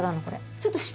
ちょっと。